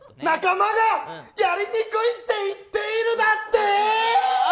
仲間がやりにくいって言っているだってー！